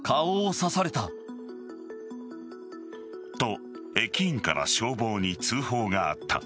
と、駅員から消防に通報があった。